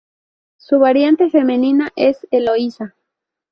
Su variante femenina es Eloísa.